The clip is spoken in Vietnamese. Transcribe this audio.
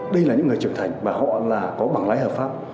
đây là những người trưởng thành và họ là có bằng lái hợp pháp